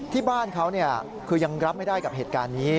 ที่บ้านเขาคือยังรับไม่ได้กับเหตุการณ์นี้